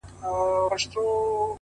د زاړه فرش غږ د هر قدم یاد ساتي’